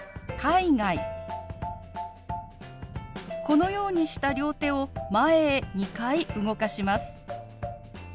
このようにした両手を前へ２回動かします。